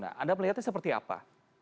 anda melihatnya seperti apa